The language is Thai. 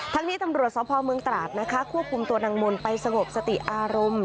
นี้ตำรวจสพเมืองตราดนะคะควบคุมตัวนางมนต์ไปสงบสติอารมณ์